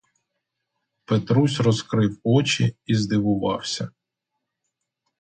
Петрусь розкрив очі — і здивувався.